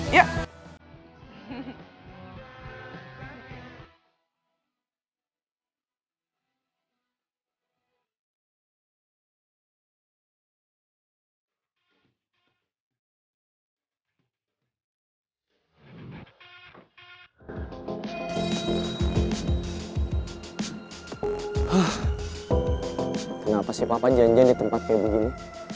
hah kenapa sih papa janjian di tempat kayak begini